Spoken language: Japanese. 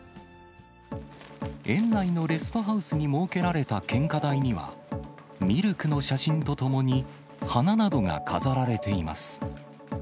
園内のレストハウスに設けられた献花台には、ミルクの写真とともに、花などが飾られています。